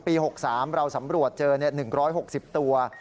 ๖๓เราสำรวจเจอ๑๖๐ตัว